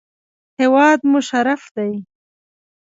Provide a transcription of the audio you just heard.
هېواد مو شرف دی